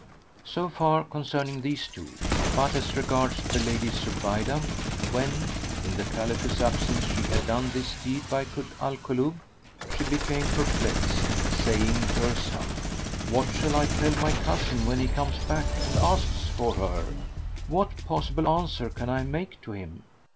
So far concerning these two; but as regards the Lady Zubaydah, when, in the Caliph's absence she had done this deed by Kut al Kulub she became perplexed, saying to herself, "What shall I tell my cousin when he comes back and asks for her? What possible answer can I make to him?"